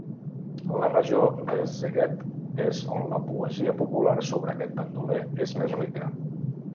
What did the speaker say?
La regió de Szeged és on la poesia popular sobre aquest bandoler és més rica.